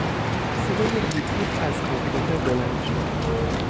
صدای بیب بیب از کامپیوتر بلند شد.